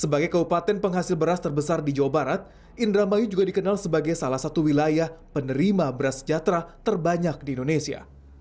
sebagai kabupaten penghasil beras terbesar di jawa barat indramayu juga dikenal sebagai salah satu wilayah penerima beras sejahtera terbanyak di indonesia